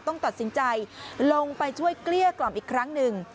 ต้องตัดสินใจลงไปช่วยเกลี้ยกล่อมอีกครั้งหนึ่ง